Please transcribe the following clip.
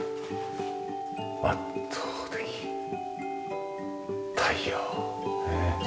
圧倒的太陽。ねえ。